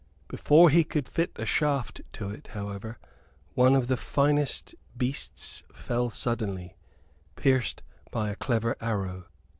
Before he could fit a shaft to it, however, one of the finest beasts fell suddenly, pierced by a clever arrow.